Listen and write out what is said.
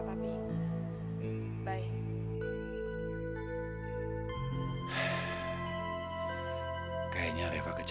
dan dengan begini